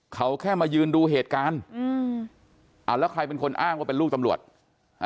เขาแค่มายืนดูเหตุการณ์อืมอ่าแล้วใครเป็นคนอ้างว่าเป็นลูกตำรวจอ่า